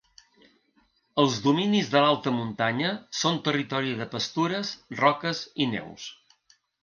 Els dominis de l'alta muntanya són territori de pastures, roques i neus.